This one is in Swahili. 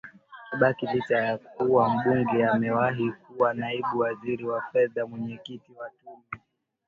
Kibaki licha ya kuwa mbunge amewahi kuwa Naibu Waziri wa Fedha Mwenyekiti wa Tume